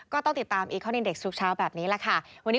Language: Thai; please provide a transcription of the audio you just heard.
ก็ต้องติดตามอีกข้อหนึ่งเด็กซุกเช้าแบบนี้แหละค่ะ